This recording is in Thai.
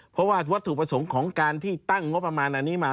เพราะว่าวัตถุประสงค์ของการที่ตั้งงบประมาณอันนี้มา